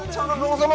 tuh kan lo kece amat